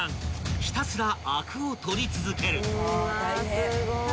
ひたすらアクを取り続ける］